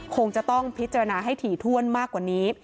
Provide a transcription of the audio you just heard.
คงจะต้องพิจารณาให้ถี่ถ้วนมากกว่านี้